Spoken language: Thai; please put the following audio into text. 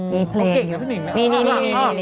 มีเพลง